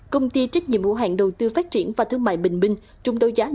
công ty trách nhiệm hữu hạn đầu tư phát triển và thương mại bình minh